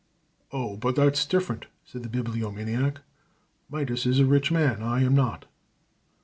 "Oh, but that's different," said the Bibliomaniac. "Midas is a rich man, and I am not."